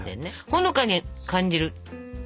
ほのかに感じる。